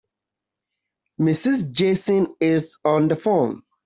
Mrs. Jason is on the phone.